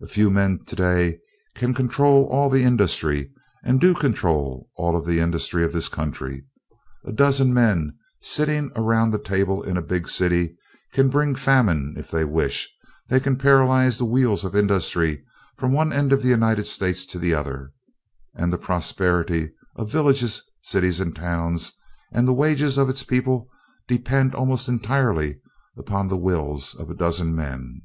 A few men today can control all the industry and do control all of the industry of this country. A dozen men sitting around the table in a big city can bring famine if they wish; they can paralyze the wheels of industry from one end of the United States to the other, and the prosperity of villages, cities and towns, and the wages of its people depends almost entirely upon the wills of a dozen men.